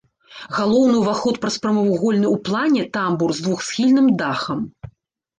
Галоўны ўваход праз прамавугольны ў плане тамбур з двухсхільным дахам.